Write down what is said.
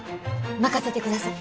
任せてください！